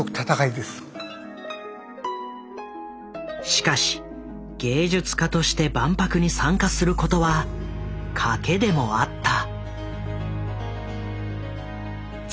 しかし芸術家として万博に参加することは賭けでもあった。